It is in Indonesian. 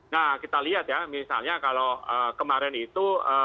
nah kita lihat ya misalnya kalau kemarin itu